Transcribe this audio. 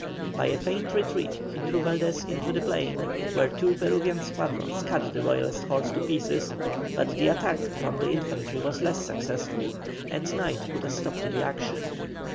By a feigned retreat he drew Valdés into the plain, where two Peruvian squadrons cut the Royalist horse to pieces, but the attack upon the infantry was less successful, and night put a stop to the action.